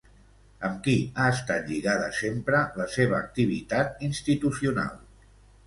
Amb qui ha estat lligada sempre la seva activitat institucional?